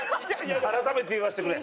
改めて言わせてくれ。